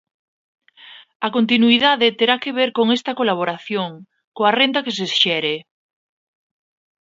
A continuidade terá que ver con esta colaboración, coa renda que se xere...